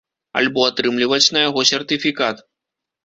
Альбо атрымліваць на яго сертыфікат.